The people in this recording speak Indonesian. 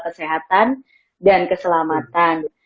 kesehatan dan keselamatan